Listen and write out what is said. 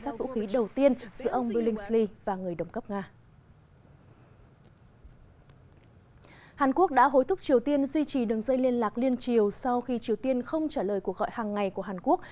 trung quốc đã hối thúc triều tiên duy trì đường dây liên lạc liên triều sau khi triều tiên không trả lời cuộc gọi hàng ngày của hàn quốc